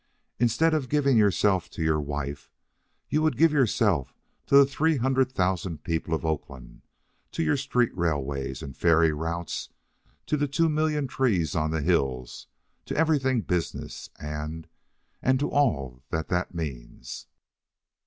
"Instead of giving yourself to your wife, you would give yourself to the three hundred thousand people of Oakland, to your street railways and ferry routes, to the two million trees on the hills to everything business and and to all that that means."